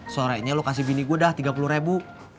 sorenya lo kasih bini gue dah tiga puluh ribu